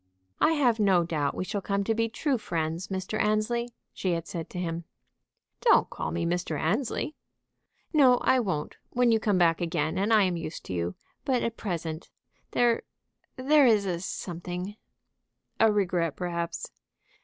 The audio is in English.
"I have no doubt we shall come to be true friends, Mr. Annesley," she had said to him. "Don't call me Mr. Annesley." "No, I won't, when you come back again and I am used to you. But at present there there is a something " "A regret, perhaps?"